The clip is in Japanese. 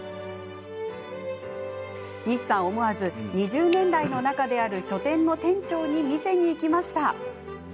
西さん思わず２０年来の仲である書店の店長に見せに行きました。